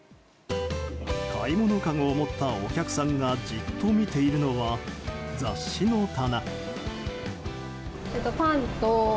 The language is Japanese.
買い物かごを持ったお客さんがじっと見ているのは雑誌の棚。